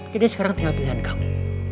jadi sekarang tinggal pilihan kamu